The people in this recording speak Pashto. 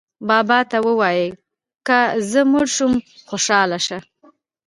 بابا ته ووایئ که زه مړه شوم خوشاله شه.